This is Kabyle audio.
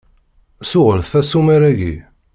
Ssuɣel-t asumer-agi.